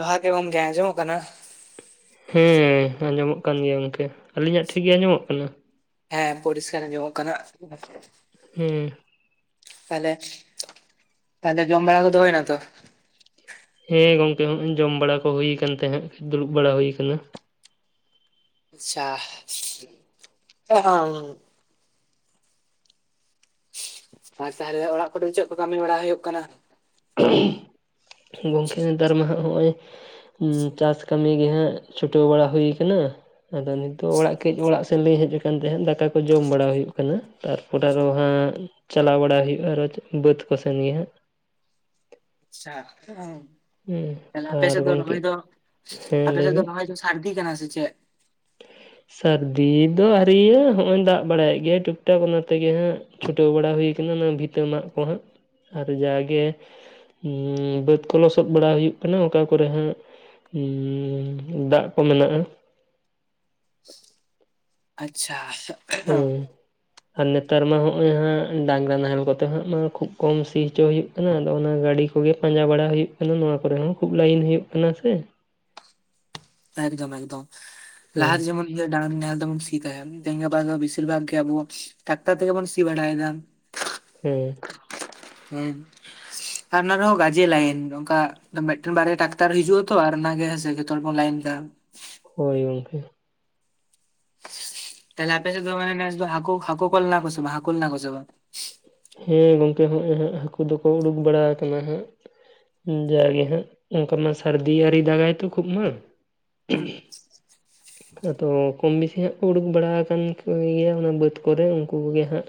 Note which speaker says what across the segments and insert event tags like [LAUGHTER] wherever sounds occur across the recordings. Speaker 1: ᱡᱚᱦᱟᱨ ᱜᱮ ᱜᱚᱝᱠᱮ ᱟᱡᱚᱢᱚᱜ ᱠᱟᱱᱟ᱾
Speaker 2: ᱦᱮᱸ ᱟᱸᱡᱚᱢᱚᱜ ᱠᱟᱱ ᱜᱮᱭᱟ ᱜᱚᱝᱠᱮ, ᱟᱞᱤᱧᱟᱜ ᱴᱷᱤᱠ ᱜᱮ ᱟᱸᱡᱚᱢᱚᱜ ᱠᱟᱱᱟ᱾
Speaker 1: ᱦᱮᱸ ᱯᱚᱨᱤᱥᱠᱟᱨ ᱟᱢᱚᱜ ᱠᱟᱱᱟ᱾
Speaker 2: ᱦᱩᱸ
Speaker 1: ᱛᱟᱦᱚᱞᱮ ᱛᱟᱦᱚᱞᱮ ᱡᱚᱢ ᱵᱟᱲᱟ ᱠᱚᱫᱚ ᱦᱩᱭᱱᱟ ᱛᱚ᱾
Speaker 2: ᱦᱮᱸ ᱜᱚᱝᱠᱮ ᱦᱚᱸᱜᱚᱭ ᱡᱚᱢ ᱵᱟᱲᱟ ᱠᱚ ᱦᱩᱭ ᱠᱟᱱ ᱛᱟᱦᱮᱸᱫ ᱫᱩᱲᱩᱵ ᱵᱟᱲᱟ ᱦᱩᱭ ᱠᱟᱱᱟ ᱾
Speaker 1: ᱟᱪᱪᱷᱟ-ᱦᱚᱸ ᱟᱨ ᱛᱟᱦᱮᱞᱮ ᱚᱲᱟᱜ ᱠᱚᱨᱮ ᱫᱚ ᱪᱮᱫ ᱠᱚ ᱠᱟᱹᱢᱤ ᱵᱟᱲᱟ ᱦᱩᱭᱩᱜ ᱠᱟᱱᱟ᱾
Speaker 2: ᱜᱚᱝᱠᱮ ᱱᱮᱛᱟᱨ ᱢᱟᱦᱟ ᱱᱚᱜᱼᱚᱭ᱾ ᱦᱩᱸ ᱪᱟᱥ ᱠᱟᱹᱢᱤ ᱜᱮ ᱦᱟᱸᱜ ᱪᱷᱩᱴᱟᱹᱣ ᱵᱟᱲᱟ ᱦᱩᱭ ᱠᱟᱱᱟ᱾ ᱟᱫᱚ ᱱᱤᱛᱚᱜ ᱚᱲᱟᱜ ᱠᱟᱹᱡ ᱚᱲᱟᱜ ᱥᱮᱱ ᱞᱤᱧ ᱦᱮᱡ ᱟᱠᱟᱱ ᱛᱟᱦᱮᱸᱫ ᱫᱟᱠᱟ ᱠᱚ ᱡᱚᱢ ᱵᱟᱲᱟ ᱦᱩᱭᱩᱜ ᱠᱟᱱᱟ᱾ ᱛᱟᱨᱯᱚᱨ ᱟᱨᱚ ᱦᱟᱸᱜ ᱪᱟᱞᱟᱣ ᱵᱟᱲᱟ ᱦᱩᱭᱩᱜᱼᱟ ᱟᱨᱚ ᱵᱟᱹᱫ ᱠᱚ ᱥᱮᱱ ᱜᱮᱭᱟ ᱦᱟᱸᱜ
Speaker 1: ᱟᱪᱪᱷᱟ
Speaker 2: ᱦᱮᱸ
Speaker 1: ᱛᱟᱦᱟᱞᱮ ᱟᱯᱮ
Speaker 2: ᱟᱨ
Speaker 1: ᱥᱮᱫ ᱫᱚ
Speaker 2: ᱜᱚᱝᱠᱮ
Speaker 1: ᱨᱳᱦᱚᱭ ᱫᱚ,
Speaker 2: ᱦᱮᱸ
Speaker 1: ᱟᱯᱮ
Speaker 2: ᱞᱟᱹᱭ
Speaker 1: ᱥᱮᱫ
Speaker 2: ᱵᱤᱱ
Speaker 1: ᱫᱚ ᱨᱚᱦᱚᱭ ᱫᱚ ᱟᱹᱨᱫᱤ ᱠᱟᱱᱟ ᱥᱮ ᱪᱮᱫ?
Speaker 2: ᱥᱟᱹᱨᱫᱤ ᱫᱚ ᱟᱹᱶᱨᱤ ᱭᱟᱹ ᱦᱚᱼᱚᱭ ᱫᱟᱜ ᱵᱟᱲᱟᱭᱮᱫ ᱜᱮᱭᱟ᱾ ᱴᱩᱠ ᱴᱟᱠ ᱚᱱᱟ ᱛᱮᱜᱮ ᱦᱟᱸᱜ ᱪᱷᱩᱴᱟᱹᱣ ᱵᱟᱲᱟ ᱦᱩᱭ ᱠᱟᱱᱟ, ᱚᱱᱟ ᱵᱷᱤᱛᱟᱹ ᱢᱟᱜ ᱠᱚᱦᱟᱸᱜ ᱟᱨ ᱡᱟᱜᱮ ᱵᱟᱹᱫᱽ ᱠᱚ ᱞᱚᱥᱚᱫ ᱵᱟᱲᱟ ᱦᱩᱭᱩᱜ ᱠᱟᱱᱟ ᱚᱠᱟ ᱠᱚᱨᱮ ᱦᱟᱸᱜ ᱦᱩᱸ ᱫᱟᱜ ᱠᱚ ᱢᱮᱱᱟᱜᱼᱟ᱾
Speaker 1: ᱟᱪᱪᱷᱟ
Speaker 2: ᱦᱩ ᱸ ᱟᱨ ᱱᱮᱛᱟᱨ ᱢᱟ ᱦᱚᱜᱼᱚᱭ ᱦᱟᱸᱜ ᱰᱟᱝᱨᱟ ᱱᱟᱦᱮᱞ ᱠᱚᱛᱮ ᱦᱟᱸᱜ ᱢᱟ ᱠᱷᱩᱵ ᱠᱚᱢ ᱥᱤ ᱦᱚᱪᱚ ᱦᱩᱭᱩᱜ᱾ ᱚᱱᱟ ᱜᱟᱹᱰᱤ ᱠᱚᱜᱮ ᱯᱟᱸᱡᱟ ᱵᱟᱲᱟ ᱦᱩᱭᱩᱜ ᱠᱟᱱᱟ᱾ ᱱᱚᱣᱟ ᱠᱚᱨᱮ ᱦᱚᱸ ᱠᱷᱩᱵ ᱞᱟᱭᱤᱱ ᱦᱩᱭᱩᱜ ᱠᱟᱱᱟ ᱥᱮ᱾
Speaker 1: ᱮᱠᱫᱚᱢ ᱮᱠᱫᱚᱢ
Speaker 2: ᱦᱮᱸ
Speaker 1: ᱞᱟᱦᱟ ᱡᱮᱢᱚᱱ᱾ ᱛᱤᱱᱟᱜ ᱰᱟᱹᱝᱨᱤ ᱱᱟᱦᱮᱞ ᱛᱮ ᱵᱚᱱ ᱥᱤ ᱛᱟᱦᱮᱫ ᱛᱮᱦᱤᱧ ᱜᱟᱯᱟ ᱫᱚ ᱵᱮᱥᱤᱨ ᱵᱷᱟᱜ ᱜᱮ ᱟᱵᱚ ᱴᱟᱠᱛᱟᱨ ᱛᱮᱜᱮ ᱵᱩᱱ ᱥᱤ ᱵᱟᱲᱟᱭᱮᱫᱟ᱾
Speaker 2: ᱦᱮᱸᱻ
Speaker 1: ᱦᱮᱸ ᱟᱨ ᱱᱚᱰᱮ ᱦᱚᱸ ᱜᱟᱡᱮ ᱞᱟᱭᱤᱱ ᱚᱱᱠᱟᱼᱼ ᱢᱤᱫᱴᱮᱱ ᱵᱟᱨᱭᱟ ᱴᱟᱠᱴᱟᱨ ᱦᱤᱡᱩᱜᱼᱟ ᱛᱚ ᱚᱱᱟᱜᱮ ᱡᱚᱛᱚ ᱦᱚᱲ ᱵᱚᱱ ᱞᱟᱭᱤᱱ ᱠᱟᱜᱼᱟ᱾
Speaker 2: ᱦᱚᱭ ᱜᱚᱝᱠᱮ᱾
Speaker 1: ᱛᱟᱦᱞᱮ ᱟᱯᱮ ᱥᱮ ᱜ ᱫᱚ ᱢᱟᱱᱮ ᱱᱮᱥ ᱫᱚ ᱦᱟᱠᱩ, ᱦᱟᱠᱩ ᱠᱚ ᱞᱮᱱᱟ ᱠᱚ ᱥᱮ ᱵᱟᱝᱼᱟ, ᱦᱟᱠᱩ ᱞᱮᱱᱟ ᱠᱚ ᱥᱮ ᱵᱟᱝᱼᱟ?
Speaker 2: ᱦᱮᱸ ᱜᱚᱝᱠᱮ ᱦᱚᱸᱜ ᱦᱚᱸᱜ ᱦᱟᱹᱠᱩ ᱫᱚᱠᱚ ᱩᱰᱩᱠ ᱵᱟᱲᱟ ᱟᱠᱟᱱᱟ ᱦᱟᱸᱜᱼᱼ ᱡᱟ ᱜᱮ ᱦᱟᱸᱜ ᱚᱱᱠᱟ ᱢᱟ ᱥᱟᱹᱨᱫᱤ ᱟᱹᱣᱨᱤ ᱫᱟᱜᱟᱭ ᱛᱚ ᱠᱷᱩᱵ ᱢᱟ ᱾
Speaker 1: ᱦᱩᱸ [INAUDIBLE]
Speaker 2: ᱟᱫᱚ ᱠᱚᱢ ᱵᱮᱥᱤ ᱦᱟᱸᱜ ᱩᱰᱩᱠ ᱵᱟᱲᱟ ᱟᱠᱟᱱ ᱜᱮᱭᱟ, ᱚᱱᱟ ᱵᱟᱹᱫᱽ ᱠᱚᱨᱮ ᱩᱱᱠᱩ ᱠᱚᱜᱮ ᱦᱟᱸᱜᱼᱼ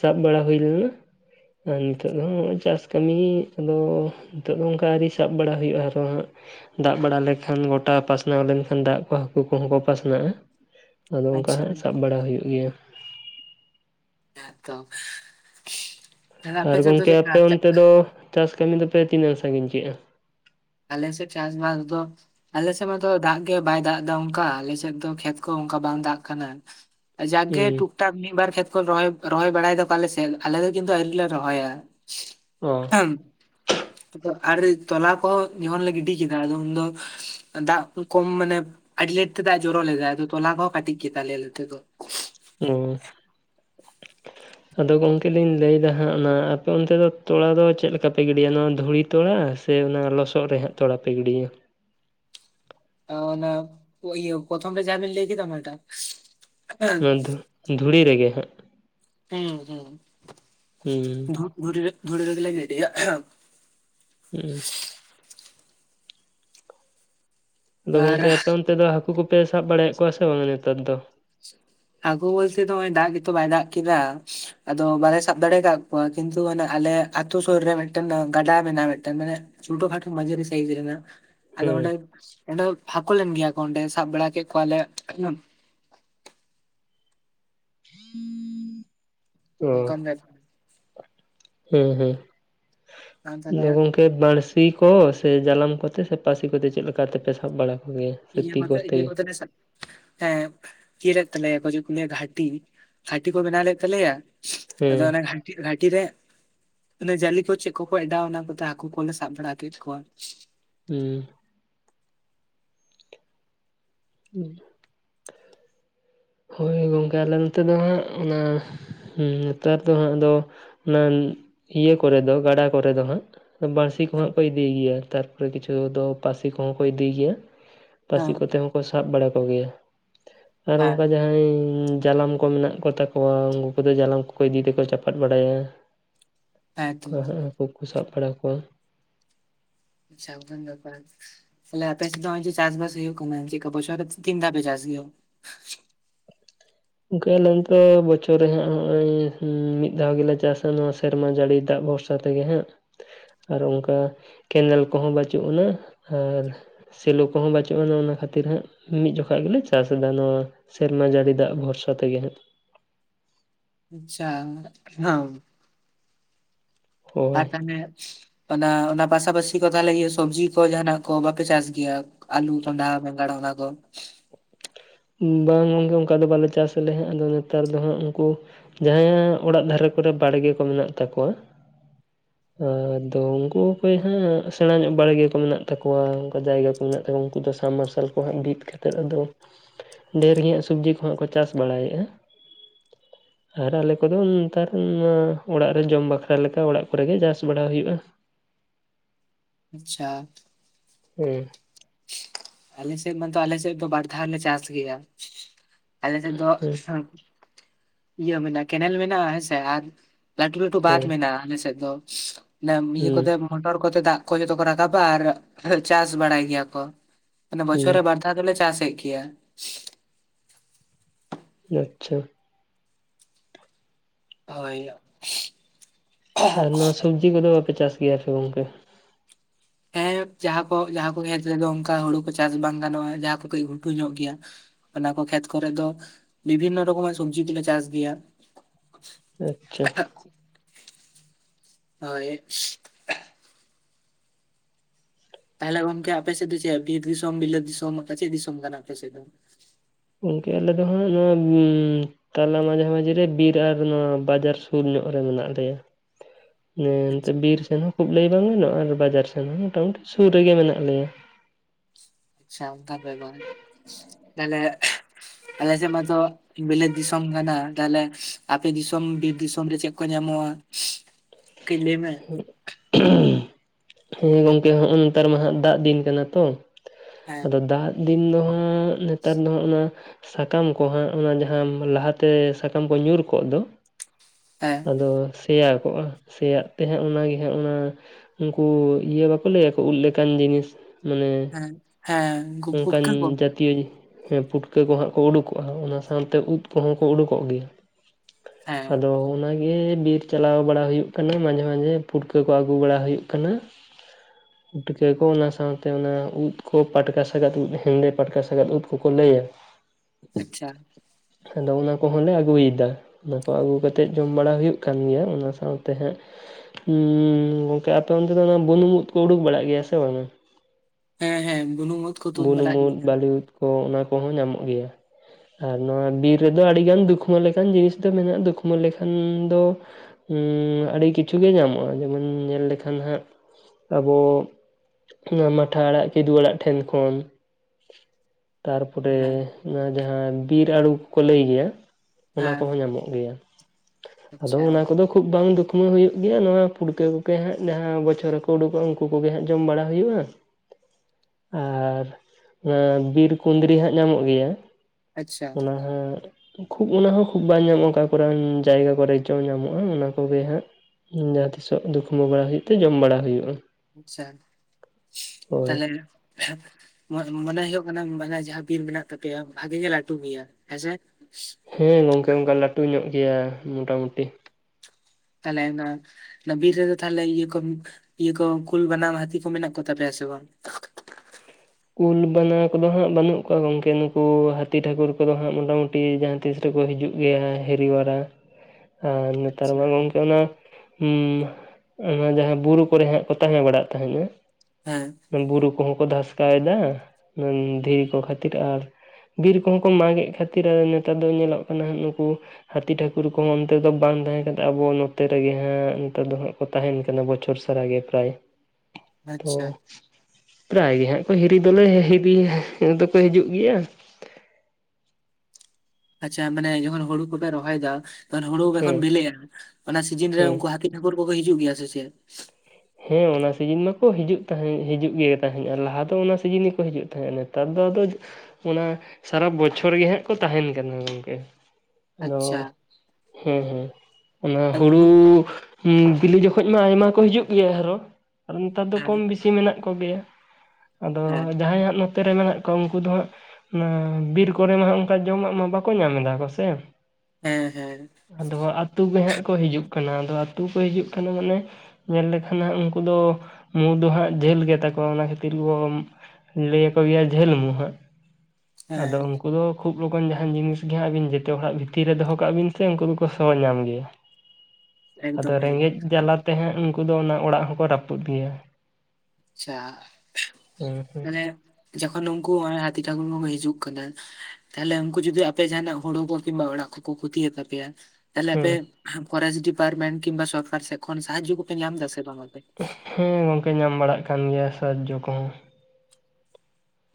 Speaker 2: ᱥᱟᱵ ᱵᱟᱲᱟ ᱦᱩᱭ ᱞᱮᱱᱟ, ᱟᱨ ᱱᱤᱛᱚᱜ ᱦᱚᱸ ᱱᱚᱜᱼᱚᱭ ᱪᱟᱥ ᱠᱟᱹᱢᱤ ᱟᱫᱚ ᱱᱤᱛᱚᱜ ᱫᱚ ᱚᱱᱠᱟ ᱟᱹᱣᱨᱤ ᱥᱟᱵ ᱵᱟᱲᱟ ᱦᱩᱭᱩᱜᱼᱟ ᱟᱨᱚ ᱦᱟᱸᱜᱼᱼ ᱫᱟᱜ ᱵᱟᱲᱟ ᱞᱮᱠᱷᱟᱱ ᱜᱚᱴᱟ ᱯᱟᱥᱱᱟᱣ ᱞᱮᱱᱠᱷᱟᱱ ᱫᱟᱜ ᱠᱚ ᱦᱟᱹᱠᱩ ᱠᱚᱦᱚᱸ ᱠᱚ ᱯᱟᱥᱱᱟᱜᱼᱟ᱾ ᱟᱫᱚ ᱚᱱᱠᱟ
Speaker 1: ᱟᱪᱪᱷᱟ
Speaker 2: ᱦᱟᱸᱜ ᱥᱟᱵ ᱵᱟᱲᱟ ᱦᱩᱭᱩᱜ ᱜᱮᱭᱟ ᱾
Speaker 1: ᱦᱮᱸ ᱛᱚ [INAUDIBLE] ᱾
Speaker 2: ᱟᱨ ᱜᱚᱢᱠᱮ ᱟᱯᱮ ᱚᱱᱛᱮ ᱫᱚ ᱪᱟᱥ ᱠᱟᱹᱢᱤ ᱫᱚᱯᱮ ᱛᱤᱱᱟᱹᱜ ᱥᱟᱺᱜᱤᱧ ᱠᱮᱜᱼᱟ?
Speaker 1: ᱟᱞᱮ ᱥᱮᱜ ᱪᱟᱥ ᱵᱟᱥ ᱫᱚᱼᱼ ᱟᱞᱮ ᱥᱮᱜ ᱢᱟᱛᱚ ᱫᱟᱜ ᱜᱮ ᱵᱟᱭ ᱫᱟᱜ ᱮᱫᱟ, ᱚᱱᱠᱟ ᱟᱞᱮ ᱥᱮᱜ ᱫᱚ ᱠᱷᱮᱛ ᱠᱚ ᱚᱱᱠᱟ ᱵᱟᱝ ᱫᱟᱜ ᱠᱟᱱᱟ᱾ ᱡᱟᱜ ᱜᱮ
Speaker 2: ᱦᱩᱸ
Speaker 1: ᱴᱩᱠᱼᱼ ᱴᱟᱠ ᱢᱤᱜ ᱵᱟᱨ ᱠᱷᱮᱛ ᱠᱷᱚᱱ ᱨᱚᱦᱚᱭ, ᱨᱚᱦᱚᱭ ᱵᱟᱲᱟᱭᱮᱫᱟ ᱠᱚ ᱟᱞᱮ ᱥᱮᱜ, ᱟᱞᱮ ᱫᱚ ᱠᱤᱱᱛᱩ ᱟᱹᱭᱨᱤ ᱞᱮ ᱨᱚᱦᱚᱭᱟ᱾
Speaker 2: ᱚᱻ
Speaker 1: [UNINTELLIGIBLE] ᱟᱨ ᱛᱚᱞᱟ ᱠᱚ ᱦᱚ ᱡᱮᱢᱚᱱ ᱞᱮ ᱜᱤᱰᱤ ᱠᱮᱫᱟ ᱟᱫᱚ ᱩᱱ ᱫᱚᱼᱼ ᱫᱟᱜ ᱠᱚᱢ ᱢᱟᱱᱮ ᱟᱹᱰᱤ ᱞᱮᱴ ᱛᱮ ᱫᱟᱜ ᱮ ᱡᱚᱨᱚ ᱞᱮᱫᱟ, ᱟᱫᱚ ᱛᱚᱞᱟ ᱠᱚᱦᱚᱸ ᱠᱟᱴᱤᱡ ᱜᱮ ᱛᱟᱞᱮᱭᱟ ᱱᱚᱛᱮ ᱫᱚ᱾
Speaker 2: ᱚᱸᱻ
Speaker 1: [UNINTELLIGIBLE]
Speaker 2: ᱟᱫᱚ ᱜᱚᱝᱠᱮ ᱞᱤᱧ ᱞᱟᱹᱭᱮᱫᱟ ᱦᱟᱸᱜ ᱚᱱᱟ ᱟᱯᱮ ᱚᱱᱛᱮ ᱫᱚ ᱛᱚᱲᱟ ᱫᱚ ᱪᱮᱜ ᱞᱮᱠᱟ ᱯᱮ ᱜᱤᱰᱤᱭᱟ ᱱᱚᱣᱟ ᱫᱷᱩᱲᱤ ᱛᱚᱲᱟᱼᱼ ᱥᱮ ᱚᱱᱟ ᱞᱚᱥᱚᱜ ᱨᱮ ᱦᱟᱸᱜ ᱛᱷᱚᱲᱟ ᱯᱮ ᱜᱤᱰᱭᱟ᱾
Speaker 1: ᱚᱸ ᱚᱱᱟ ᱤᱭᱟᱹ ᱯᱨᱚᱛᱚᱢ ᱨᱮ ᱡᱟᱦᱟᱸ ᱵᱤᱱ ᱞᱟᱹᱭ ᱠᱮᱫᱟ ᱚᱱᱟ ᱴᱟᱜ ᱾
Speaker 2: ᱚᱱᱟ ᱫᱷᱩᱼᱫᱷᱩᱲᱤ ᱨᱮᱜᱮ ᱦᱟᱸᱜ?
Speaker 1: ᱦᱩᱸ ᱦᱩᱸ ᱾
Speaker 2: ᱦᱩᱸᱻ
Speaker 1: ᱫᱷᱩ ᱫᱷᱩ ᱫᱷᱩᱲᱤ ᱨᱮ ᱫᱷᱩᱲᱤ ᱨᱮᱜᱮ ᱞᱮ ᱜᱤᱰᱤᱭᱟ᱾
Speaker 2: ᱦᱩᱸᱜ ᱩᱸ ᱟᱫᱚ
Speaker 1: ᱟᱨ
Speaker 2: ᱜᱚᱝᱠᱮ ᱟᱯᱮ ᱚᱱᱛᱮ ᱫᱚ ᱦᱟᱹᱠᱩ ᱠᱚᱯᱮ ᱥᱟᱵ ᱵᱟᱲᱟᱭᱮᱜ ᱠᱚᱣᱟ ᱥᱮ ᱵᱟᱝᱼᱟ ᱱᱮᱛᱟᱨ ᱫᱚ?
Speaker 1: ᱟᱜᱚ ᱵᱚᱞᱛᱮ ᱫᱚ ᱱᱚᱜᱼᱚᱭ ᱫᱟᱜ ᱜᱮᱛᱚ ᱵᱟᱭ ᱫᱟᱜ ᱠᱮᱫᱟ ᱾ ᱟᱫᱚ ᱵᱟᱞᱮ ᱥᱟᱵ ᱫᱟᱲᱮᱭᱟᱠᱟᱜ ᱠᱚᱣᱟ ᱠᱤᱱᱛᱩ ᱚᱱᱮ ᱟᱞᱮ ᱟᱛᱩ ᱥᱩᱨ ᱨᱮ ᱢᱤᱫᱴᱮᱱ ᱜᱟᱰᱟ ᱢᱮᱱᱟᱜᱼᱟ, ᱢᱤᱫᱴᱮᱱ ᱢᱟᱱᱮᱼᱼ ᱪᱷᱩᱴᱚ ᱠᱷᱟᱴᱚ ᱢᱟᱡᱷᱟᱨᱮ ᱥᱟᱭᱤᱡ ᱨᱮᱱᱟᱜ᱾
Speaker 2: ᱦᱮᱸ
Speaker 1: ᱟᱫᱚᱸ ᱚᱸᱰᱮ [UNINTELLIGIBLE] ᱦᱟᱠᱩ ᱞᱮᱱ ᱜᱮᱭᱟᱠᱚ ᱚᱸᱰᱮ ᱥᱟᱵ ᱵᱟᱲᱟ ᱠᱮᱜ ᱠᱚᱣᱟᱞᱮ ᱾
Speaker 2: ᱚᱻ
Speaker 1: ᱚᱱᱠᱟᱱ ᱵᱮᱯᱟᱨ
Speaker 2: ᱦᱩᱸ ᱦᱩᱸ
Speaker 1: ᱟᱨ ᱛᱟᱦᱚᱞᱮ
Speaker 2: ᱟᱫᱚ ᱜᱚᱝᱠᱮ ᱼᱼ ᱟᱯᱮ ᱵᱟᱹᱲᱥᱤᱸ ᱠᱚ ᱥᱮ, ᱡᱟᱞᱟᱢ ᱠᱚᱛᱮ ᱥᱮ ᱯᱟᱹᱥᱤ ᱠᱚᱛᱮ ᱪᱮᱜ ᱞᱮᱠᱟ ᱛᱮᱯᱮ ᱥᱟᱵ ᱵᱟᱲᱟ ᱠᱚᱜᱮᱭᱟ? ᱥᱮ
Speaker 1: ᱤᱭᱟᱹ
Speaker 2: ᱛᱤ
Speaker 1: ᱠᱚ ᱛᱮ
Speaker 2: ᱠᱚᱛᱮ
Speaker 1: ᱤᱭᱟᱹ
Speaker 2: ᱜᱮ
Speaker 1: ᱠᱚ ᱛᱮ ᱞᱮ ᱥᱟᱵᱼᱼ ᱦᱮᱸ ᱤᱭᱟᱹ ᱞᱮᱫ ᱛᱟᱞᱮᱭᱟ ᱠᱚ ᱪᱮᱜ ᱠᱚ ᱞᱟᱹᱭᱟ ᱜᱷᱟᱴᱤ, ᱜᱷᱟᱴᱤ ᱠᱚ ᱵᱮᱱᱟᱣ ᱞᱮᱜ ᱛᱟᱞᱮᱭᱟ,
Speaker 2: ᱦᱮᱸ
Speaker 1: ᱟᱫᱚ ᱚᱱᱮ ᱜᱷᱟᱴᱤ, ᱜᱷᱟᱴᱤ ᱨᱮᱼᱼ ᱚᱱᱮ ᱡᱟᱹᱞᱤ ᱠᱚ ᱪᱮᱜ ᱠᱚ ᱠᱚ ᱮᱰᱟᱣᱟ ᱚᱱᱟ ᱠᱚᱛᱮ ᱦᱟᱹᱠᱩ ᱠᱚᱞᱮ ᱥᱟᱵ ᱵᱟᱲᱟ ᱠᱮᱜ ᱠᱚᱣᱟ᱾
Speaker 2: ᱩᱸᱻ ᱦᱚᱭ ᱜᱚᱝᱠᱮ ᱟᱞᱮ ᱱᱚᱛᱮ ᱫᱚ ᱦᱟᱸᱜ ᱚᱱᱟᱼᱼ ᱦᱩᱸ ᱱᱮᱛᱟᱨ ᱫᱚ ᱦᱟᱸᱜ ᱟᱫᱚᱼᱼ ᱚᱱᱟ ᱤᱭᱟᱹ ᱠᱚᱨᱮ ᱫᱚ ᱜᱟᱰᱟ ᱠᱚᱨᱮ ᱫᱚ ᱦᱟᱸᱜ ᱵᱟᱹᱲᱥᱤᱼᱼ [INAUDIBLE]
Speaker 1: ᱦᱮᱸ
Speaker 2: ᱠᱚ ᱤᱫᱤ ᱜᱮᱭᱟ, ᱛᱟᱨᱯᱚᱨᱮ ᱠᱤᱪᱩ ᱫᱚ ᱯᱟᱹᱥᱤ ᱠᱚ ᱦᱚᱸ ᱠᱚ ᱤᱫᱤ ᱜᱮᱭᱟ, ᱯᱟᱹᱥᱤ ᱠᱚ
Speaker 1: ᱦᱮᱸ
Speaker 2: ᱛᱮ ᱦᱚᱸ ᱼᱼ [INAUDIBLE] ᱠᱚ ᱥᱟᱵ ᱵᱟᱲᱟ ᱠᱚ ᱜᱮᱭᱟ ᱟᱨ ᱚᱱᱠᱟ ᱡᱟᱦᱟᱸᱭ [UNINTELLIGIBLE] ᱼᱼ ᱡᱟᱞᱟᱢ ᱠᱚ ᱢᱮᱱᱟᱜ ᱠᱚ ᱛᱟᱠᱚᱣᱟ, ᱩᱱᱠᱩ ᱠᱚᱫᱚ ᱡᱟᱞᱟᱢ ᱠᱚᱠᱚ ᱤᱫᱤ ᱛᱮᱠᱚ ᱪᱟᱯᱟᱫ ᱵᱟᱲᱟᱭᱟ᱾
Speaker 1: ᱦᱮᱸᱛᱚ
Speaker 2: ᱠᱚ ᱦᱟᱹᱠᱩ ᱠᱚ ᱥᱟᱵ ᱵᱟᱲᱟ ᱠᱚᱣᱟ᱾
Speaker 1: ᱪᱷᱟ ᱵᱚᱱ ᱫᱚᱠ [UNINTELLIGIBLE] ᱛᱟᱦᱚᱞᱮ ᱟᱯᱮᱥᱮᱫ ᱫᱚ ᱱᱚᱜ-ᱚᱭ ᱡᱮ ᱪᱟᱥ ᱦᱩᱭᱩᱜ ᱠᱟᱱᱟ ᱪᱮᱫᱠᱟ ᱵᱚᱪᱷᱚᱨ ᱨᱮᱫᱚ ᱛᱤᱱ ᱫᱷᱟᱣᱯᱮ ᱪᱟᱥ ᱜᱮ-ᱟ?
Speaker 2: ᱜᱚᱢᱠᱮ ᱟᱞᱮ ᱱᱚᱛᱮ ᱫᱚ ᱵᱚᱪᱷᱚᱨ ᱨᱮ ᱦᱟᱜ ᱱᱚᱜ-ᱚᱭ ᱢᱤᱫ ᱫᱷᱟᱣ ᱜᱮᱞᱮ ᱪᱟᱥᱟ ᱱᱚᱣᱟ ᱥᱮᱨᱢᱟ ᱡᱟᱹᱲᱤ ᱫᱟᱜ ᱵᱷᱚᱨᱥᱟ ᱛᱮᱜᱮ ᱦᱟᱸᱜ ᱟᱨ ᱚᱱᱠᱟ ᱠᱮᱱᱮᱞ ᱠᱚᱦᱚᱸ ᱵᱟᱹᱪᱩᱜ ᱟᱱᱟ ᱟᱨ ᱥᱮᱞᱳ ᱠᱚᱦᱚᱸ ᱵᱟᱹᱪᱩᱜ ᱟᱱᱟ ᱚᱱᱟ ᱠᱷᱟᱹᱛᱤᱨ ᱦᱟᱸᱜ ᱢᱤᱫ ᱡᱚᱠᱷᱚᱱ ᱜᱮᱞᱮ ᱪᱟᱥ ᱮᱫᱟ ᱱᱚᱣᱟ ᱥᱮᱨᱢᱟ ᱡᱟᱹᱲᱤ ᱫᱟᱜ ᱵᱷᱚᱨ ᱥᱟ ᱛᱮᱜᱮ ᱦᱟᱸᱫ᱾
Speaker 1: ᱟᱪᱪᱷᱟ [UNINTELLIGIBLE]
Speaker 2: ᱦᱳᱭ
Speaker 1: ᱟᱨ ᱛᱟᱦᱚᱞᱮ ᱚᱱᱟ ᱚᱱᱟ ᱯᱟᱥᱟᱯᱟᱥᱤ ᱠᱚ ᱛᱟᱦᱚᱞᱮ ᱥᱚᱵᱡᱤ ᱠᱚ ᱡᱟᱦᱟᱸᱱᱟᱜ ᱠᱚ ᱵᱟᱯᱮ ᱪᱟᱥ ᱜᱮᱭᱟ? ᱟᱞᱩ, ᱠᱷᱚᱱᱰᱟ, ᱵᱮᱜᱟᱲ, ᱚᱱᱟ ᱠᱚ
Speaker 2: ᱵᱟᱝ ᱜᱚᱢᱠᱮ ᱚᱱᱠᱟ ᱫᱚ ᱵᱟᱞᱮ ᱪᱟᱥ ᱟᱞᱮ ᱦᱟᱜ ᱟᱫᱚ ᱱᱮᱛᱟᱨ ᱫᱚ ᱦᱟᱸᱜ ᱩᱱᱠᱩ ᱡᱟᱦᱟᱸᱭᱟᱜ ᱚᱲᱟᱜ ᱫᱷᱟᱨᱮ ᱠᱚᱨᱮ ᱵᱟᱲᱜᱮ ᱠᱚ ᱢᱮᱱᱟᱜ ᱛᱟᱠᱚᱣᱟ
Speaker 1: [UNINTELLIGIBLE]
Speaker 2: ᱫᱚ ᱩᱱᱠᱩ ᱚᱠᱚ ᱦᱟᱸᱜ ᱥᱮᱬᱟ ᱧᱚᱜ ᱵᱟᱲᱮᱜᱮ ᱠᱚ ᱢᱮᱱᱟᱜ ᱛᱟᱠᱚᱣᱟ ᱚᱱᱠᱟ ᱡᱟᱭᱜᱟ ᱠᱚ ᱢᱮᱱᱟᱜ ᱛᱟᱠᱚᱣᱟ ᱩᱱᱠᱩ ᱫᱚ ᱥᱟᱢ ᱢᱟᱨᱥᱟᱞ ᱥᱟᱞ ᱠᱚ ᱦᱟᱸᱜ ᱵᱤᱫ ᱠᱟᱛᱮᱫ ᱟᱫᱚ ᱰᱷᱮᱨᱧᱟᱜ ᱥᱚᱵᱡᱤ ᱠᱚᱦᱜ ᱠᱚ ᱪᱟᱥ ᱵᱟᱲᱟᱭᱮᱫ-ᱟ
Speaker 1: [INAUDIBLE]
Speaker 2: ᱟᱨ ᱟᱞᱮ ᱠᱚᱫᱚ ᱱᱮᱛᱟᱨ ᱚᱲᱟᱜ ᱨᱮ ᱡᱚᱢ ᱵᱟᱠᱷᱨᱟ ᱞᱮᱠᱟ ᱚᱲᱟᱜ ᱠᱚᱨᱮᱜᱮ ᱪᱟᱥ ᱵᱟᱲᱟ ᱦᱩᱭᱩᱜ-ᱟ᱾
Speaker 1: ᱟᱪᱪᱷᱟ
Speaker 2: ᱦᱮ
Speaker 1: ᱟᱞᱮᱥᱮᱫ ᱢᱟᱛᱚ ᱟᱞᱮᱥᱮᱫ ᱫᱚ ᱵᱟᱨ ᱫᱷᱟᱣ ᱞᱮ ᱪᱟᱥ ᱜᱮᱭᱟ ᱟᱞᱮᱥᱮᱫ ᱫᱚ
Speaker 2: ᱦᱮᱸ
Speaker 1: ᱤᱭᱟᱹ ᱢᱮᱱᱟᱜ-ᱟ ᱠᱮᱱᱮᱞ ᱢᱮᱱᱟᱜ-ᱟ ᱦᱮᱸᱥᱮ ᱟᱨ ᱞᱟᱴᱩ ᱞᱟᱴᱩ ᱵᱟᱫ
Speaker 2: ᱦᱮᱸ
Speaker 1: ᱢᱮᱱᱟᱜᱼᱟ᱾ ᱟᱞᱮ ᱥᱮᱫ ᱫᱚ ᱤᱭᱟᱹ
Speaker 2: ᱦᱮᱸ
Speaker 1: ᱠᱚᱛᱮ ᱢᱚᱴᱚᱨ ᱠᱚᱛᱮ ᱫᱟᱜ ᱠᱚ ᱡᱚᱛᱚ ᱠᱚ ᱨᱟᱠᱟᱵᱟ ᱟᱨ ᱪᱟᱥ ᱵᱟᱲᱟᱭ ᱜᱮᱭᱟ ᱠᱚ᱾ ᱢᱟᱱᱮ
Speaker 2: ᱦᱮᱸ
Speaker 1: ᱵᱚᱪᱷᱚᱨ ᱨᱮ ᱵᱟᱨ ᱫᱷᱟᱣ ᱫᱚᱞᱮ ᱪᱟᱥ ᱮᱜ ᱜᱮᱭᱟ᱾
Speaker 2: ᱟᱪᱪᱷᱟ
Speaker 1: ᱦᱳᱭ
Speaker 2: ᱟᱨ ᱱᱚᱣᱟ ᱥᱚᱵᱡᱤ ᱠᱚᱫᱚ ᱵᱟᱯᱮ ᱪᱟᱥ ᱜᱮᱭᱟ ᱥᱮ ᱜᱚᱝᱠᱮ?
Speaker 1: ᱦᱮᱸ ᱡᱟᱦᱟᱸ ᱠᱚ ᱡᱟᱦᱟᱸ ᱠᱚ ᱠᱷᱮᱛ ᱨᱮᱫᱚ ᱚᱝᱠᱟ ᱦᱩᱲᱩ ᱠᱚ ᱪᱟᱥ ᱵᱟᱝ ᱜᱟᱱᱚᱜ-ᱟ ᱡᱟᱦᱟᱸ ᱠᱚ ᱠᱟᱡ ᱜᱷᱩᱴᱩ ᱧᱚᱜ ᱜᱮᱭᱟ᱾ ᱚᱱᱟ ᱠᱚ ᱠᱷᱮᱛ ᱠᱚᱨᱮ ᱫᱚ ᱵᱤᱵᱷᱤᱱᱱᱚ ᱨᱚᱠᱚᱢᱟᱜ ᱥᱚᱵᱡᱤ ᱠᱚᱞᱮ ᱪᱟᱥ ᱜᱮᱭᱟ᱾
Speaker 2: ᱟᱪᱪᱷᱟ
Speaker 1: ᱦᱳᱭ ᱛᱟᱦᱚᱞᱮ ᱜᱚᱢᱠᱮ ᱟᱯᱮ ᱥᱮᱫ ᱫᱚ ᱪᱮᱫ ᱵᱤᱨ ᱫᱤᱥᱚᱢ, ᱵᱤᱞᱟᱹᱛ ᱫᱤᱥᱚᱢ, ᱪᱮᱫ ᱫᱤᱥᱚᱢ ᱠᱟᱱᱟ ᱟᱯᱮ ᱥᱮᱫ ᱫᱚ?
Speaker 2: ᱜᱚᱝᱠᱮ ᱟᱞᱮ ᱫᱚ ᱦᱟᱸᱜ ᱱᱚᱣᱟ ᱛᱟᱞᱟ ᱢᱟᱸᱡᱷᱟ ᱢᱟᱸᱡᱷᱤ ᱨᱮ ᱵᱤᱨ ᱟᱨ ᱱᱚᱣᱟ ᱵᱟᱡᱟᱨ ᱥᱩᱨ ᱧᱚᱜ ᱨᱮ ᱢᱮᱱᱟᱜ ᱞᱮᱭᱟ᱾ ᱮᱻ ᱱᱮᱛᱮ
Speaker 1: ᱟᱪᱪᱷᱟ
Speaker 2: ᱵᱤᱨ ᱥᱮᱱᱟ ᱠᱷᱩᱵ ᱞᱟᱹᱭ ᱵᱟᱝ ᱜᱟᱱᱚᱜ-ᱟ ᱟᱨ ᱵᱟᱡᱟᱨ ᱥᱮᱱ ᱦᱚᱸ ᱢᱚᱴᱟ ᱢᱩᱴᱤ ᱥᱩᱨ ᱨᱮᱜᱮ ᱢᱮᱱᱟᱜ ᱞᱮᱭᱟ᱾
Speaker 1: ᱪᱷᱟ ᱚᱝᱠᱟ ᱵᱮᱯᱟᱨ ᱛᱟᱞᱚᱦᱮ ᱟᱞᱮ ᱥᱮᱜ ᱢᱟᱛᱚ ᱵᱤᱞᱟᱹᱛ ᱫᱤᱥᱚᱢ ᱠᱟᱱᱟ ᱛᱟᱦᱚᱞᱮ ᱟᱯᱮ ᱫᱤᱥᱚᱢ ᱵᱤᱨ ᱫᱤᱥᱚᱢ ᱨᱮ ᱪᱮᱫ ᱠᱚ ᱧᱟᱢᱚᱜ-ᱟ᱾ ᱠᱟᱹᱪ ᱞᱟᱹᱭ ᱢᱮ?
Speaker 2: ᱦᱮᱸ ᱜᱚᱝᱠᱮ ᱦᱚᱜ-ᱚ ᱱᱚᱱᱛᱟᱨ ᱢᱟᱸ ᱦᱟᱸᱜ ᱫᱟᱜ ᱫᱤᱱ ᱠᱟᱱᱟ ᱛᱚ
Speaker 1: ᱦᱮᱸ
Speaker 2: ᱟᱫᱚ ᱫᱟᱜ ᱫᱤᱱ ᱫᱚᱦᱟᱸᱜ ᱱᱮᱛᱟᱨ ᱫᱚ ᱦᱟᱸᱜ ᱚᱱᱟ ᱥᱟᱠᱟᱢ ᱠᱚᱸᱦᱟᱸᱜ ᱚᱱᱟ ᱡᱟᱦᱟᱸ ᱞᱟᱦᱟᱛᱮ ᱥᱟᱠᱟᱢ ᱠᱚ ᱧᱩᱨ ᱠᱚᱜ ᱫᱚ
Speaker 1: ᱦᱮᱸ
Speaker 2: ᱟᱫᱚ ᱥᱮᱭᱟ ᱠᱚᱜ-ᱟ ᱥᱮᱭᱟᱜ ᱛᱮ ᱦᱟᱸᱜ ᱚᱱᱟᱜᱤ ᱦᱟᱸᱜ ᱚᱱᱟ ᱩᱱᱠᱩ ᱤᱭᱟᱹ ᱵᱟᱠᱚ ᱞᱟᱹᱭ ᱟᱠᱚ ᱩᱫ ᱞᱮᱠᱟᱱ ᱡᱤᱱᱤᱥ ᱢᱟᱱᱮ
Speaker 1: ᱦᱮᱸ ᱩᱱᱠᱩ
Speaker 2: ᱚᱱᱠᱟᱱ
Speaker 1: ᱯᱩᱴᱠᱟᱹ ᱠᱚ
Speaker 2: ᱡᱟᱹᱛᱤᱭᱟᱹᱨᱤ ᱦᱮᱸ ᱯᱩᱴᱠᱟᱹ ᱠᱚ ᱦᱟᱸᱜ ᱠᱚ ᱩᱰᱩᱠᱚᱜ-ᱟ ᱚᱱᱟ ᱥᱟᱶᱛᱮ ᱩᱫ ᱠᱚ ᱦᱚᱸ ᱠᱚ ᱩᱰᱩᱠᱚᱜ ᱜᱮᱭᱟ᱾
Speaker 1: ᱦᱮᱸ
Speaker 2: ᱟᱫᱚ ᱚᱱᱟᱜ ᱜᱮ ᱵᱤᱨ ᱪᱟᱞᱟᱣ ᱵᱟᱲᱟ ᱦᱩᱭᱩᱜ ᱠᱟᱱᱟ ᱢᱟᱸᱡᱷᱮ ᱢᱟᱸᱡᱷᱮ ᱯᱩᱴᱠᱟᱹ ᱠᱚ ᱟᱜᱩ ᱵᱟᱲᱟ ᱦᱩᱭᱩᱜ ᱠᱟᱱᱟ᱾ ᱯᱩᱴᱠᱟᱹ ᱠᱚ ᱚᱱᱟ ᱥᱟᱶᱛᱮ ᱚᱱᱟ ᱩᱫ ᱠᱚ ᱯᱟᱴᱠᱟ ᱥᱟᱜᱟᱫ ᱩᱫ ᱦᱮᱸᱰᱮ ᱯᱟᱴᱠᱟ ᱥᱟᱜᱟᱫ ᱩᱫ ᱠᱚ ᱠᱚ ᱞᱟᱹᱭᱟ᱾
Speaker 1: ᱟᱪᱪᱷᱟ
Speaker 2: ᱟᱫᱚ ᱚᱱᱟ ᱠᱚᱸᱦᱚᱸ ᱞᱮ ᱟᱜᱩᱭᱮᱫᱟ᱾ ᱚᱱᱟ ᱠᱚ ᱟᱹᱜᱩ ᱠᱟᱛᱮᱫ ᱡᱚᱢ ᱵᱟᱲᱟ ᱦᱩᱭᱩᱜ ᱠᱟᱱ ᱜᱮᱭᱟ ᱚᱱᱟ ᱥᱟᱶᱛᱮ ᱦᱟᱸᱜ᱾ ᱦᱩᱸ ᱜᱚᱝᱠᱮ ᱟᱯᱮ ᱚᱱᱛᱮ ᱫᱚ ᱚᱱᱟ ᱵᱩᱱᱩᱢ ᱩᱫ ᱠᱚ ᱩᱰᱩᱠ ᱵᱟᱲᱟᱜ ᱜᱮᱭᱟ ᱥᱮ ᱵᱟᱝᱟ?
Speaker 1: ᱦᱮᱸ ᱦᱮᱸ ᱵᱩᱱᱩᱢ ᱩᱫ ᱠᱚ ᱛᱩᱫ
Speaker 2: ᱵᱩᱱᱩᱢ
Speaker 1: ᱵᱟᱲᱟᱜ
Speaker 2: ᱩᱫ
Speaker 1: ᱜᱮᱭᱟ
Speaker 2: ᱵᱟᱞᱤ ᱩᱫ ᱠᱚ ᱚᱱᱟ ᱠᱚᱸᱦᱚᱸ ᱧᱟᱢᱚᱜ ᱜᱮᱭᱟ᱾ ᱟᱨ ᱱᱚᱣᱟ ᱵᱤᱨ ᱨᱮᱫᱚ ᱟᱰᱤᱜᱟᱱ ᱫᱩᱠᱷᱢᱚ ᱞᱮᱠᱟᱱ ᱡᱤᱱᱤᱥ ᱫᱚ ᱢᱮᱱᱟᱜ-ᱟ᱾ ᱫᱩᱠᱷᱢᱚ ᱞᱮᱠᱷᱟᱱ ᱫᱚ ᱩᱸ ᱟᱹᱰᱤ ᱠᱤᱪᱷᱩ ᱜᱮ ᱧᱟᱢᱚᱜ-ᱟ᱾ ᱡᱮᱢᱚᱱ ᱧᱮᱞ ᱞᱮᱠᱷᱟᱱ ᱦᱟᱸᱜ ᱟᱵᱚ ᱚᱱᱟ ᱢᱟᱸᱴᱷᱟ ᱟᱲᱟᱜ, ᱠᱤᱫᱩᱜ ᱟᱲᱟᱜ ᱴᱷᱮᱱ ᱠᱷᱚᱱ ᱛᱟᱨᱯᱚᱨᱮ
Speaker 1: ᱦᱮᱸ
Speaker 2: ᱚᱱᱟ ᱡᱟᱦᱟᱸ ᱵᱤᱨ ᱟᱲᱩ ᱠᱚᱠᱚ ᱞᱟᱹᱭ ᱜᱮᱭᱟ, ᱚᱱᱟ
Speaker 1: ᱦᱮᱸ
Speaker 2: ᱠᱚᱸᱦᱚᱸ ᱧᱟᱢᱚᱜ ᱜᱮᱭᱟ᱾ ᱟᱫᱚ
Speaker 1: ᱟᱪᱪᱷᱟ
Speaker 2: ᱚᱱᱟ ᱠᱚᱫᱚᱠ ᱠᱷᱩᱵᱽ ᱵᱟᱝ ᱫᱩᱠᱷᱢᱟᱹ ᱦᱩᱭᱩᱜ ᱜᱮᱭᱟ᱾ ᱱᱚᱣᱟ ᱯᱩᱴᱠᱟᱹ ᱠᱚᱜᱮ ᱦᱟᱸᱜ ᱡᱟᱦᱟᱸ ᱵᱚᱪᱷᱚᱨ ᱨᱮᱠᱚ ᱩᱰᱩᱠᱚᱜᱼᱟ, ᱩᱱᱠᱩ ᱠᱚᱜᱮ ᱦᱟᱸᱜ ᱡᱚᱢ ᱵᱟᱲᱟ ᱦᱩᱭᱩᱜᱼᱟ᱾ ᱟᱨ ᱚᱱᱟ ᱵᱤᱨ ᱠᱩᱸᱫᱽᱨᱤ ᱦᱟᱸᱜ ᱧᱟᱢᱚᱜ ᱜᱮᱭᱟ᱾
Speaker 1: ᱟᱪᱪᱷᱟ
Speaker 2: ᱚᱱᱟ ᱦᱟᱸᱜ, ᱠᱷᱩᱵᱽ ᱚᱱᱟ ᱦᱚᱸ ᱠᱷᱩᱵᱽ ᱵᱟᱝ ᱧᱟᱢᱚᱜᱼᱟ᱾ ᱚᱠᱟ ᱠᱚᱨᱮᱱ ᱡᱟᱭᱜᱟ ᱠᱚᱨᱮ ᱪᱚᱝ ᱧᱟᱢᱚᱜ-ᱟ, ᱚᱱᱟ ᱠᱚᱜᱮ ᱦᱟᱸᱜ᱾ ᱤᱧ ᱡᱟᱦᱟᱸ ᱛᱤᱥ ᱫᱩᱠᱷᱢᱟᱹ ᱵᱟᱲᱟ ᱦᱩᱭᱩᱜ ᱛᱮ ᱡᱚᱢ ᱵᱟᱲᱟ ᱦᱩᱭᱩᱜᱼᱟ,
Speaker 1: ᱟᱪᱪᱷᱟ
Speaker 2: ᱦᱳᱭ
Speaker 1: ᱛᱟᱦᱚᱞᱮ, ᱢᱚᱱᱮ ᱦᱩᱭᱩᱜ ᱠᱟᱱᱟ ᱢᱟᱱᱮ ᱡᱟᱦᱟᱸ ᱵᱤᱨ ᱢᱮᱱᱟᱜ ᱛᱟᱯᱮᱭᱟ ᱵᱷᱟᱜᱮ ᱜᱮ ᱞᱟᱹᱴᱩ ᱜᱮᱭᱟ ᱦᱮᱸᱥᱮ,
Speaker 2: ᱦᱮᱸ ᱜᱚᱢᱠᱮ ᱚᱱᱠᱟ ᱞᱟᱹᱴᱩ ᱧᱚᱜ ᱜᱮᱭᱟ ᱢᱚᱴᱟ ᱢᱩᱩᱴᱤ,
Speaker 1: ᱛᱟᱦᱚᱞᱮ ᱚᱱᱟ, ᱚᱱᱟ ᱵᱤᱨ ᱨᱮᱫᱚ ᱛᱟᱦᱞᱮ ᱤᱭᱟᱹ ᱠᱚ ᱤᱭᱟᱹ ᱠᱚ ᱠᱩᱞ ᱵᱟᱱᱟᱢ ᱦᱟᱹᱛᱤ ᱠᱚ ᱢᱮᱱᱟᱜ ᱠᱚ ᱛᱟᱯᱮᱭᱟ ᱥᱮ ᱵᱟᱝ
Speaker 2: ᱩᱩᱞ ᱵᱟᱱᱟ ᱠᱚᱫᱚ ᱦᱟᱸᱜ ᱵᱟᱹᱱᱩᱜ ᱠᱚᱣᱟ ᱜᱚᱝᱠᱮ ᱱᱩᱠᱩ ᱦᱟᱹᱛᱤ ᱴᱷᱟᱹᱠᱩᱨ ᱠᱚᱫᱚ ᱦᱟᱸᱜ ᱢᱚᱴᱟᱢᱩᱴᱤ, ᱡᱟᱹᱛᱤ ᱡᱟᱦᱟᱸ ᱛᱤᱥ ᱨᱮᱠᱚ ᱦᱤᱡᱩᱜ ᱜᱮᱭᱟ ᱦᱤᱨᱤ ᱵᱟᱲᱟ,
Speaker 1: [UNINTELLIGIBLE]
Speaker 2: ᱟᱨ ᱱᱮᱛᱟᱨ
Speaker 1: ᱟᱪᱪᱷᱟ
Speaker 2: ᱢᱟ ᱜᱚᱢᱠᱮ ᱚᱱᱟ, ᱦᱩᱸ ᱚᱱᱟ ᱡᱟᱦᱟᱸ ᱵᱩᱨᱩ ᱠᱚᱨᱮ ᱦᱟᱸᱜ ᱠᱚ ᱛᱟᱦᱮᱸ ᱵᱟᱲᱟᱜ ᱛᱟᱦᱮᱸᱜ-ᱟ,
Speaker 1: ᱦᱮᱸ
Speaker 2: ᱵᱩᱨᱩ ᱠᱚᱦᱚᱸ ᱠᱚ ᱫᱷᱟᱥᱠᱟᱣ ᱮᱫᱟ ᱫᱷᱤᱨᱤ ᱠᱚ ᱠᱷᱟᱹᱛᱤᱨ ᱟᱨ ᱵᱤᱨ ᱠᱚᱦᱚᱸ ᱠᱚ ᱢᱟᱜ ᱮᱫ ᱠᱷᱟᱹᱛᱤᱨ ᱱᱮᱛᱟᱨ ᱫᱚ ᱧᱮᱞᱚᱜ ᱠᱟᱱᱟ ᱦᱟᱸᱜ ᱱᱩᱠᱩ, ᱦᱟᱹᱛᱤ ᱴᱷᱟᱹᱠᱩᱨ ᱠᱚᱦᱚᱸ ᱚᱱᱛᱮ ᱫᱚ ᱵᱟᱝ ᱛᱟᱦᱮᱸ ᱠᱟᱱᱟ ᱟᱵᱚ ᱱᱚᱛᱮ ᱨᱮᱜᱮ ᱦᱟᱸᱜ ᱱᱮᱛᱟᱨ ᱫᱚ ᱦᱟᱸᱜ ᱠᱚ ᱛᱟᱦᱮᱸᱱ ᱠᱟᱱᱟ ᱵᱚᱪᱷᱚᱨ ᱥᱟᱨᱟᱜᱮ ᱯᱨᱟᱭ,
Speaker 1: [UNINTELLIGIBLE]
Speaker 2: ᱛᱚ
Speaker 1: ᱟᱪᱪᱷᱟ
Speaker 2: ᱯᱨᱟᱭ ᱜᱮ ᱦᱟᱸᱜ- ᱦᱤᱨᱤ ᱫᱚᱞᱮ ᱦᱤᱨᱤ ᱫᱚᱠᱚ ᱦᱤᱡᱩᱜ ᱜᱮᱭᱟ,
Speaker 1: ᱟᱪᱪᱷᱟ ᱢᱟᱱᱮ ᱡᱚᱠᱷᱚᱱ ᱦᱩᱲᱩ ᱠᱚᱯᱮ ᱨᱚᱦᱚᱭᱮᱫᱟ ᱛᱚᱠᱷᱚᱱ ᱦᱩᱲᱩ ᱡᱚᱠᱷᱚᱱ
Speaker 2: ᱦᱮᱸ
Speaker 1: ᱵᱤᱞᱤᱜᱼᱟ ᱚᱱᱟ ᱥᱤᱡᱤᱱ ᱨᱮ
Speaker 2: ᱦᱮᱸ
Speaker 1: ᱩᱱᱠᱩ ᱦᱟᱹᱛᱤ ᱴᱷᱟᱠᱩᱨ ᱠᱚᱠᱚ ᱦᱤᱡᱩᱜ ᱜᱮᱭᱟ ᱥᱮ ᱪᱮᱫ,
Speaker 2: ᱦᱮᱸ ᱚᱱᱟ ᱥᱤᱡᱤᱱ ᱢᱟᱠᱚ ᱦᱤᱡᱩᱜ ᱛᱟᱦᱮᱸᱫ ᱦᱤᱡᱩᱜ ᱜᱮ ᱛᱟᱦᱮᱸᱫ ᱟᱨ ᱞᱟᱦᱟ ᱫᱚ ᱚᱱᱟ ᱥᱤᱡᱤᱱ ᱜᱮᱠᱚ ᱦᱤᱡᱩᱜ ᱛᱟᱦᱮᱸᱫ ᱱᱮᱛᱟᱨ ᱫᱚ ᱟᱫᱚ ᱚᱱᱟ ᱥᱟᱨᱟ ᱵᱚᱪᱷᱚᱨ ᱜᱮ ᱦᱟᱸᱜ ᱠᱚ ᱛᱟᱦᱮᱱ ᱠᱟᱱᱟ ᱜᱚᱢᱠᱮ
Speaker 1: ᱟᱪᱪᱷᱟ
Speaker 2: ᱫᱚ ᱦᱩᱸ ᱦᱩᱸ ᱚᱱᱟ
Speaker 1: ᱟᱫᱚ ᱡᱚᱠᱷᱚᱱ
Speaker 2: ᱦᱩᱲᱩ ᱦᱮᱸ ᱵᱤᱞᱤ ᱡᱚᱠᱷᱚᱱ ᱢᱟ ᱟᱭᱢᱟ ᱠᱚ ᱦᱤᱡᱩᱜ ᱜᱮᱭᱟ ᱟᱨᱚ ᱟᱨ ᱱᱮᱛᱟᱨ ᱫᱚ
Speaker 1: ᱦᱮᱸ
Speaker 2: ᱠᱚᱢ ᱵᱮᱥᱤ ᱢᱮᱱᱟᱜ ᱠᱚᱜᱮᱭᱟ ᱟᱫᱚ
Speaker 1: ᱦᱮᱸ
Speaker 2: ᱡᱟᱦᱟᱸᱭ ᱦᱟᱸᱜ ᱱᱚᱛᱮ ᱨᱮ ᱢᱮᱱᱟᱜ ᱠᱚᱣᱟ ᱩᱱᱠᱩ ᱫᱚ ᱦᱟᱸᱜ ᱚᱱᱟ ᱵᱤᱨ ᱠᱚᱨᱮ ᱢᱟ ᱚᱱᱠᱟ ᱡᱚᱢᱟᱜ ᱢᱟ ᱵᱟᱠᱚ ᱧᱟᱢ ᱮᱫᱟ ᱠᱚ ᱥᱮ
Speaker 1: ᱦᱮᱸ ᱦᱮᱸ
Speaker 2: ᱛᱩᱫ ᱜᱮᱦᱟᱜ ᱠᱚ ᱦᱤᱡᱩᱜ ᱠᱟᱱᱟ ᱟᱫᱚ ᱟᱛᱳ ᱠᱚ ᱦᱤᱡᱩᱜ ᱠᱟᱱᱟ ᱢᱟᱱᱮ ᱧᱮᱞ ᱞᱮᱠᱷᱟᱱ ᱦᱟᱸᱜ ᱩᱱᱠᱩ ᱫᱚ ᱢᱩ ᱫᱚ ᱦᱟᱸᱜ ᱡᱷᱟᱹᱞ ᱜᱮᱛᱟ ᱠᱚᱣᱟ ᱚᱱᱟ ᱠᱷᱟᱹᱛᱤᱨ ᱜᱮᱜᱚᱢ ᱞᱟᱹᱭ ᱠᱚ ᱜᱮᱭᱟ ᱡᱷᱟᱹᱞ ᱢᱩ ᱦᱟᱸᱜ ᱟᱫᱚ
Speaker 1: ᱦᱮᱸ
Speaker 2: ᱩᱱᱠᱩ ᱫᱚ ᱠᱷᱩᱵ ᱞᱚᱜᱚᱱ ᱡᱟᱦᱟᱱ ᱡᱤᱱᱤᱥ ᱜᱮᱦᱟᱸᱜ ᱟᱹᱵᱤᱱ ᱡᱚᱛᱚ ᱚᱲᱟᱜ ᱵᱷᱤᱛᱤᱨ ᱨᱮ ᱫᱚᱦᱚ ᱠᱟᱜ ᱵᱤᱱ ᱥᱮ ᱩᱱᱠᱩ ᱫᱚᱠᱚ ᱥᱚ ᱧᱟᱢ ᱜᱮᱭᱟ
Speaker 1: [INAUDIBLE]
Speaker 2: ᱟᱫᱚ ᱨᱮᱸᱜᱮᱡ
Speaker 1: ᱮᱠᱫᱚᱢ
Speaker 2: ᱡᱟᱞᱟ ᱛᱮᱦᱟᱸᱜ ᱩᱱᱠᱩ ᱫᱚ ᱚᱱᱟ ᱚᱲᱟᱜ ᱦᱚᱸ ᱠᱚ ᱨᱟᱹᱯᱩᱫ ᱜᱮᱭᱟ
Speaker 1: ᱪᱟ
Speaker 2: ᱦᱮᱸ ᱦᱮᱸ
Speaker 1: ᱢᱟᱱᱮ ᱡᱚᱠᱷᱚᱱ ᱩᱱᱠᱩ ᱦᱟᱛᱤ ᱴᱷᱟᱹᱠᱩᱨ ᱠᱚᱠᱚ ᱦᱤᱡᱩᱜ ᱠᱟᱱᱟ ᱛᱟᱦᱚᱞᱮ ᱩᱱᱠᱩ ᱡᱩᱫᱤ ᱟᱯᱮ ᱡᱟᱦᱟᱱᱟᱜ ᱦᱩᱲᱩ ᱠᱚ ᱠᱤᱝᱵᱟ ᱚᱲᱟᱜ ᱠᱚᱠᱚ ᱠᱷᱚᱛᱤᱭ ᱛᱟᱯᱮᱭᱟ ᱛᱟᱦᱚᱞᱮ ᱟᱯᱮ
Speaker 2: ᱦᱮᱸ
Speaker 1: ᱯᱷᱚᱨᱮᱥᱴ ᱰᱤᱯᱟᱨᱴᱢᱮᱱᱴ ᱠᱤᱝᱵᱟ ᱥᱚᱨᱠᱟᱨ ᱥᱮᱫ ᱠᱷᱚᱱ ᱥᱟᱦᱟᱡᱡᱚ ᱠᱚᱯᱮ ᱧᱟᱢ ᱫᱟ ᱥᱮ ᱵᱟᱝ
Speaker 2: ᱩᱜ ᱦᱩᱸ ᱜᱚᱝᱠᱮ ᱧᱟᱢ ᱵᱟᱲᱟᱜ ᱠᱟᱱ ᱜᱮᱭᱟ ᱥᱟᱡᱡᱚ ᱠᱚᱦᱚᱸ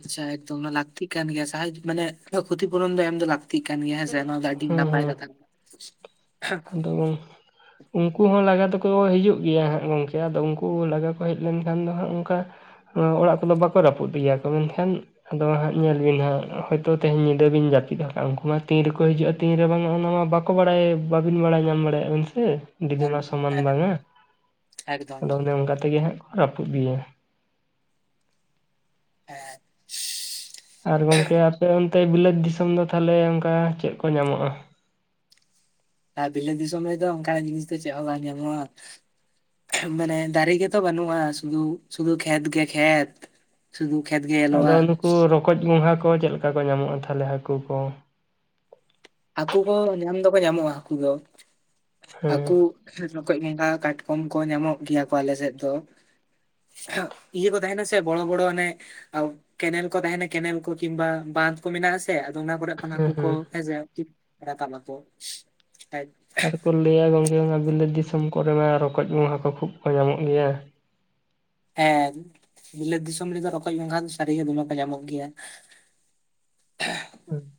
Speaker 1: ᱪᱪᱷᱟᱭᱮᱠ ᱮᱠᱫᱚᱢ ᱚᱱᱟ ᱞᱟᱹᱠᱛᱤ ᱠᱟᱱ ᱜᱮᱭᱟ ᱥᱟᱦᱟᱡᱡᱚ ᱢᱟᱱᱮ ᱠᱷᱚᱛᱤ ᱯᱩᱨᱚᱱ ᱫᱚ ᱮᱢ ᱫᱚ ᱞᱟᱠ ᱞᱟᱠᱛᱤ ᱠᱟᱱ ᱜᱮᱭᱟ ᱦᱮᱸᱥᱮ ᱱᱚᱣᱟ ᱫᱚ ᱟᱹᱰᱤ
Speaker 2: ᱦᱮᱸ
Speaker 1: ᱱᱟᱯᱟᱭ ᱠᱟᱛᱷᱟ
Speaker 2: ᱮᱞᱳᱢ ᱩᱱᱠᱩ ᱦᱚᱸ ᱞᱟᱜᱟ ᱫᱚᱠᱚ ᱦᱤᱡᱩᱜ ᱜᱮᱭᱟ ᱦᱟᱸᱜ ᱜᱚᱝᱠᱮ ᱟᱫᱚ ᱩᱱᱠᱩ ᱞᱟᱜᱟ ᱠᱚ ᱦᱮᱡ ᱞᱮᱱᱠᱷᱟᱱ ᱫᱚ ᱦᱟᱸᱜ ᱚᱱᱠᱟ ᱚ ᱚᱲᱟᱜ ᱠᱚᱫᱚ ᱵᱟᱠᱚ ᱨᱟᱹᱯᱩᱫ ᱤᱫᱤᱭᱟᱠᱚ ᱢᱮᱱᱠᱷᱟᱱ ᱟᱫᱚ ᱦᱟᱸᱜ ᱧᱮᱞ ᱵᱤᱱ ᱦᱟᱸᱜ ᱦᱚᱭ ᱛᱚ ᱛᱮᱦᱚᱸ ᱧᱤᱫᱟᱹ ᱵᱤᱱ ᱡᱟᱹᱯᱤᱫᱚᱜ ᱩᱱᱠᱩ ᱢᱟ ᱛᱤᱱ ᱨᱮᱠᱚ ᱦᱤᱡᱩᱜᱼᱟ ᱛᱤᱱ ᱨᱮ ᱵᱟᱝᱼᱟ ᱚᱱᱟ ᱢᱟ ᱵᱟᱠᱚ ᱵᱟᱲᱟᱭ ᱵᱟᱵᱤᱱ ᱵᱟᱲᱟᱭ ᱧᱟᱢ ᱫᱟᱲᱮᱭᱟᱜᱼᱟ ᱵᱤᱱ ᱥᱮ ᱡᱩᱫᱤ
Speaker 1: ᱦᱮᱸ
Speaker 2: ᱢᱟ ᱥᱚᱢᱟᱱ
Speaker 1: ᱦᱮᱸ
Speaker 2: ᱵᱟᱝᱟ
Speaker 1: ᱮᱠᱫᱚᱢ
Speaker 2: ᱟᱫᱚ ᱚᱱᱮ ᱚᱱᱠᱟ ᱛᱮᱜᱮ ᱦᱟᱸᱜ ᱠᱚ ᱨᱟᱹᱯᱩᱫ ᱤᱫᱤᱭᱟ
Speaker 1: ᱦᱮᱸ
Speaker 2: ᱟᱨ ᱜᱚᱝᱠᱮ ᱟᱯᱮ ᱚᱱᱛᱮ ᱵᱤᱞᱟᱹᱛ ᱫᱤᱥᱚᱢ ᱫᱚ ᱛᱟᱦᱚᱞᱮ ᱚᱱᱠᱟ ᱪᱮᱫ ᱠᱚ ᱧᱟᱢᱚᱜᱼᱟ?
Speaker 1: ᱟᱨ ᱵᱤᱞᱹᱟᱛ ᱫᱤᱥᱚᱢ ᱨᱮᱫᱚ ᱚᱱᱠᱟᱱᱟᱜ ᱡᱤᱱᱤᱥ ᱫᱚ ᱪᱮᱫ ᱦᱚᱸ ᱵᱟᱝ ᱧᱟᱢᱚᱜᱼᱟ ᱢᱟᱱᱮ ᱫᱟᱨᱮ ᱜᱮᱛᱚ ᱵᱟᱹᱱᱩᱜᱼᱟ, ᱥᱩᱫᱩ ᱥᱩᱫᱷᱩ ᱠᱷᱮᱛ ᱜᱮ ᱠᱷᱮᱛ᱾ ᱥᱩᱫᱩ ᱠᱷᱮᱛ ᱜᱮ ᱧᱮᱞᱚᱜᱼᱟ
Speaker 2: ᱟᱫᱚ ᱱᱩᱠᱩ ᱨᱚᱠᱚᱡ ᱜᱚᱸᱜᱷᱟ ᱠᱚ ᱪᱮᱫ ᱞᱮᱠᱟ ᱠᱚ ᱧᱟᱢᱚᱜᱼᱟ ᱛᱟᱦᱚᱞᱮ ᱦᱟᱹᱠᱩ ᱠᱚ?
Speaker 1: ᱦᱟᱹᱠᱩ ᱠᱚ ᱧᱟᱢ ᱫᱚᱠᱚ ᱧᱟᱢᱚᱜᱼᱟ ᱦᱟᱹᱠᱩ ᱫᱚ, ᱦᱟᱹᱠᱩ
Speaker 2: ᱦᱮᱸ
Speaker 1: [UNINTELLIGIBLE] ᱨᱚᱠᱚᱡ, ᱜᱚᱸᱜᱷᱟ, ᱠᱟᱴᱠᱚᱢ ᱠᱚ ᱧᱟᱢᱚᱜ ᱜᱮᱭᱟ ᱠᱚ ᱟᱞᱮᱥᱮᱫ ᱫᱚ᱾ [UNINTELLIGIBLE] ᱤᱭᱟᱹ ᱠᱚ ᱛᱟᱦᱮᱱᱟ ᱥᱮ ᱵᱚᱲᱚ ᱵᱚᱲᱚ ᱦᱟᱱᱮ, ᱟ ᱠᱮᱱᱮᱞ ᱠᱚ ᱛᱟᱦᱮᱱᱟ ᱠᱮᱱᱮᱞ ᱠᱚ ᱠᱤᱝᱵᱟ ᱵᱟᱸᱫᱽ ᱠᱚ ᱢᱮᱱᱟᱜᱼᱟ ᱥᱮ ᱛᱮ ᱟᱫᱚ ᱚᱱᱟ ᱠᱚᱨᱮᱜ ᱠᱷᱟᱱ
Speaker 2: ᱦᱮᱸ
Speaker 1: ᱦᱟᱠᱳ ᱠᱚ
Speaker 2: ᱦᱮᱸ
Speaker 1: ᱦᱮᱸᱥᱮ ᱨᱟᱠᱟᱵ ᱟᱠᱚ ᱦᱮᱜ᱾
Speaker 2: ᱟᱫᱚ ᱠᱚ ᱞᱮᱭᱟ ᱜᱚᱝᱠᱮ ᱟᱱᱟ ᱵᱤᱞᱟᱹᱛ ᱫᱤᱥᱚᱢ ᱠᱚᱨᱮ ᱢᱟ ᱨᱚᱠᱚᱡ, ᱜᱚᱸᱜᱷᱟ ᱠᱚ ᱠᱷᱩᱵᱽ ᱠᱚ ᱧᱟᱢᱚᱜ ᱜᱮᱭᱟ᱾
Speaker 1: ᱦᱮᱸ ᱵᱤᱞᱟᱹᱛ ᱫᱤᱥᱚᱢ ᱨᱮᱫᱚ ᱨᱚᱠᱚᱡ, ᱜᱚᱝᱜᱷᱟ ᱫᱚ ᱥᱟᱹᱨᱤᱜᱮ ᱫᱚᱢᱮ ᱠᱚ ᱧᱟᱢᱚᱜ ᱜᱮᱭᱟ᱾
Speaker 2: ᱦᱩᱸ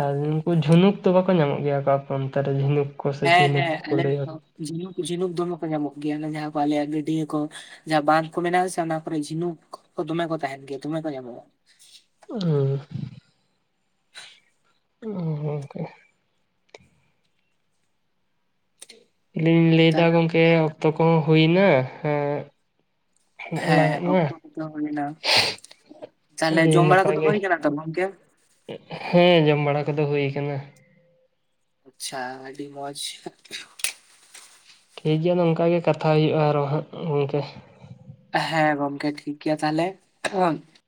Speaker 2: ᱟᱨ ᱩᱱᱠᱩ ᱡᱷᱩᱱᱩᱠ ᱫᱚ ᱵᱟᱠᱚ ᱧᱟᱢᱚᱜ ᱜᱮᱭᱟ, ᱟᱯᱮ ᱚᱱᱛᱮᱨᱮ ᱡᱷᱤᱱᱩᱠ᱾ ᱠᱚ ᱥᱮ
Speaker 1: ᱦᱮᱸ
Speaker 2: ᱪᱤᱱᱩᱠ
Speaker 1: ᱦᱮᱸ
Speaker 2: ᱠᱚᱠᱚ
Speaker 1: ᱟᱞᱮ
Speaker 2: ᱞᱟᱹᱭᱟ᱾
Speaker 1: ᱡᱷᱤᱱᱩᱠ ᱡᱷᱤᱱᱩᱠ ᱫᱚᱢᱮ ᱠᱚ ᱧᱟᱢᱚᱜ ᱜᱮᱭᱟ, ᱡᱟᱦᱟᱸ ᱠᱚ ᱟᱞᱮᱭᱟᱜ ᱜᱟᱹᱰᱭᱟᱹ ᱠᱚ᱾ ᱡᱟᱦᱟᱸ ᱵᱟᱸᱫᱷ ᱠᱚ ᱢᱮᱱᱟᱜᱼᱟ ᱥᱮ ᱚᱱᱟ ᱠᱚᱨᱮᱜ ᱡᱷᱤᱱᱩᱠ ᱠᱚ ᱫᱚᱢᱮ ᱠᱚ ᱛᱟᱦᱮᱱ ᱜᱮᱭᱟ ᱫᱚᱢᱮ ᱠᱚ ᱧᱟᱢᱚᱜᱼᱟ᱾
Speaker 2: ᱩᱸᱻ ᱚᱸ ᱜᱚᱝᱠᱮ᱾ ᱟᱹᱞᱤᱧ ᱞᱮᱭᱫᱟ
Speaker 1: ᱛᱟᱦᱞᱮ
Speaker 2: ᱜᱚᱝᱠᱮ ᱚᱠᱛᱚ ᱠᱚᱦᱚᱸ ᱦᱩᱭ ᱱᱟ ᱦᱮᱸ᱾
Speaker 1: ᱦᱮᱸ
Speaker 2: ᱟᱞᱟᱝᱟᱜ ᱢᱟ
Speaker 1: ᱚᱠᱛᱚ ᱠᱚᱫᱚ ᱦᱩᱭᱱᱟ, ᱛᱟᱦᱚᱞᱮ
Speaker 2: ᱟᱹᱰᱤ
Speaker 1: ᱡᱚᱢ ᱵᱟᱲᱟ
Speaker 2: ᱱᱟᱯᱟᱭ
Speaker 1: ᱠᱚᱫᱚ
Speaker 2: ᱜᱮ
Speaker 1: ᱦᱳᱭ ᱠᱟᱱᱟ ᱛᱚ ᱜᱚᱝᱠᱮ᱾
Speaker 2: ᱦᱮᱸ ᱡᱚᱢ ᱵᱟᱲᱟ ᱠᱚᱫᱚ ᱦᱩᱭ ᱠᱟᱱᱟ᱾
Speaker 1: ᱟᱪᱪᱷᱟ ᱟᱹᱰᱤ ᱢᱚᱸᱡᱽ᱾
Speaker 2: ᱴᱷᱤᱠ ᱜᱮᱭᱟ ᱱᱚᱝᱠᱟ ᱜᱮ ᱠᱟᱛᱷᱟ ᱦᱩᱭᱩᱜᱼᱟ ᱟᱨᱚ ᱦᱟᱸᱜ ᱜᱚᱝᱠᱮ᱾
Speaker 1: ᱦᱮᱸ ᱜᱚᱝᱠᱮ ᱴᱷᱤᱠ ᱜᱮᱭᱟ ᱛᱟᱦᱚᱞᱮ᱾ [UNINTELLIGIBLE]